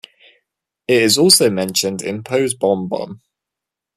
It is also mentioned in Poe's Bon-Bon.